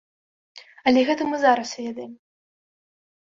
Але гэта мы зараз ведаем.